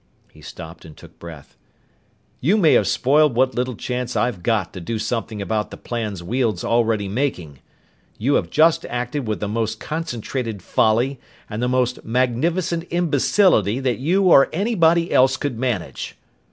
He stopped and took breath. "You may have spoiled what little chance I've got to do something about the plans Weald's already making! You have just acted with the most concentrated folly, and the most magnificent imbecility that you or anybody else could manage!"